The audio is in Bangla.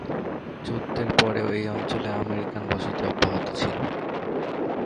যুদ্ধের পরেও এই অঞ্চলে আমেরিকান বসতি অব্যাহত ছিল।